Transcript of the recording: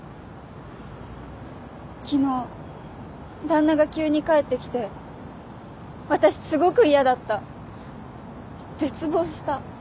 昨日旦那が急に帰ってきて私すごく嫌だった絶望した。